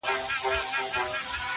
د زمري غوښي خوراک د ده شوتل وه-